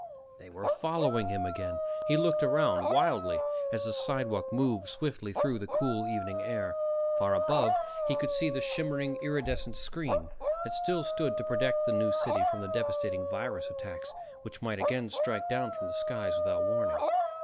They were following him again! He looked around wildly as the sidewalk moved swiftly through the cool evening air. Far above, he could see the shimmering, iridescent screen that still stood to protect the New City from the devastating virus attacks which might again strike down from the skies without warning.